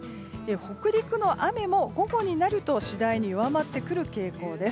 北陸の雨も午後になると次第に弱まってくる傾向です。